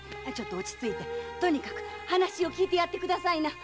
落ち着いてとにかく話を聞いてやってくださいな。